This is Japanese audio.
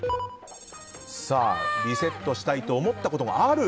リセットしたいと思ったことがある？